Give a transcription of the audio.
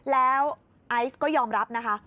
แล้วไอซ์ก็ยอมรับนะคะ